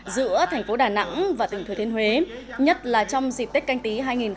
giữa tp đà nẵng và tp thừa thiên huế nhất là trong dịp tết canh tí hai nghìn hai mươi